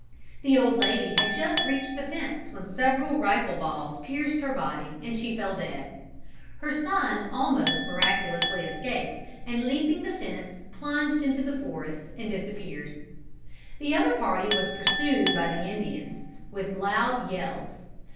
The old lady had just reached the fence when several rifle balls pierced her body and she fell dead. Her son almost miraculously escaped, and leaping the fence plunged into the forest and disappeared. The other party was pursued by the Indians, with loud yells.